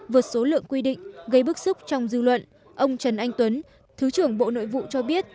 vượt số lượng quy định gây bức xúc trong dư luận ông trần anh tuấn thứ trưởng bộ nội vụ cho biết